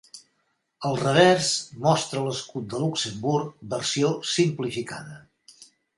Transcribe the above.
El revers mostra l'escut de Luxemburg versió simplificada.